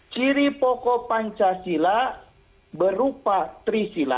ciri pokok pancasila berupa trisila